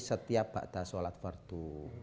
setiap bakta sholat fardu